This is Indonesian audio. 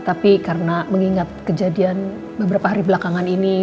tapi karena mengingat kejadian beberapa hari belakangan ini